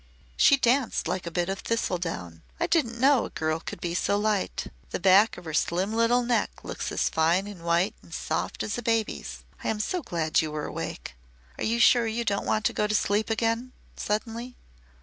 She danced like a bit of thistledown. I didn't know a girl could be so light. The back of her slim little neck looks as fine and white and soft as a baby's. I am so glad you were awake. Are you sure you don't want to go to sleep again?" suddenly.